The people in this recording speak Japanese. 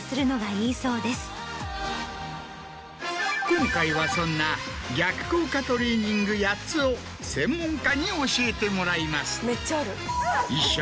今回はそんな逆効果トレーニング８つを専門家に教えてもらいます。